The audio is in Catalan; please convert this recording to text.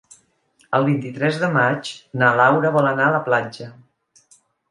El vint-i-tres de maig na Laura vol anar a la platja.